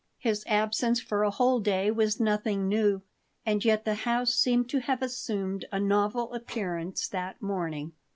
His absence for a whole day was nothing new, and yet the house seemed to have assumed a novel appearance that morning.